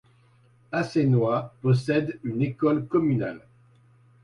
Assenois possède une école communale.